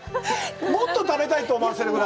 もっと食べたいと思わせるぐらい。